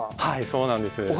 はいそうなんです。